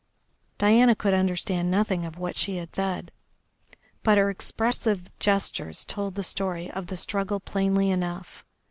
Diana could understand nothing of what she said, but her expressive gestures told the story of the struggle plainly enough.